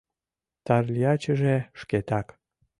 Тарлячыже шкетак